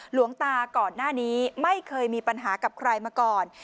หลวงตาก่อนหน้านี้ไม่เคยมีปัญหากับใครมาก่อน